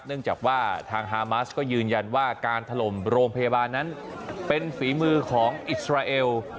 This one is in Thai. เนื่องจากว่าทางฮามาสก็ยืนยันว่าการถล่มโรงพยาบาลนั้นเป็นฝีมือของอิสราเอล